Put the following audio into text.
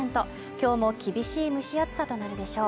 今日も厳しい蒸し暑さとなるでしょう